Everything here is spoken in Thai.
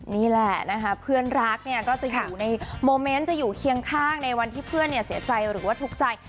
นี่แหละนะคะเพื่อนรักเนี่ยก็จะอยู่ในโมเมนต์จะอยู่เคียงข้างในวันที่เพื่อนเสียใจหรือว่าทุกข์ใจ